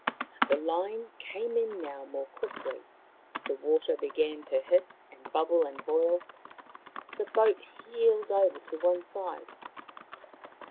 The line came in now more quickly, the water began to hiss and bubble and boil, the boat heeled over to one side.